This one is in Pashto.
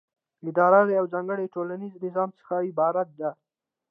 اداره له یوه ځانګړي ټولنیز نظام څخه عبارت ده.